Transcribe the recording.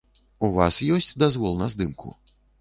У вас ёсць дазвол на здымку?